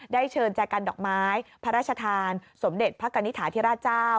ได้เชิญแจกันดอกไม้พระราชทานสมเด็จพระกณิฐาธิราชเจ้า